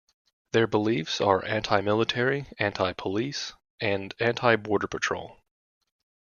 Their beliefs are anti-military, anti-police, and anti-border patrol.